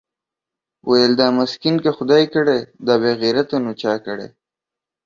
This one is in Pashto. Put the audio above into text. ويل دا مسکين که خداى کړې دا بېغيرته نو چا کړې؟